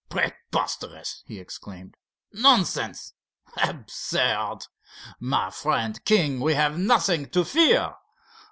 "Preposterous!" he exclaimed. "Nonsense! Absurd! My friend King, we have nothing to fear.